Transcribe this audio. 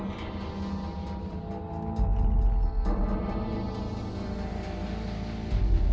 kita pergi dulu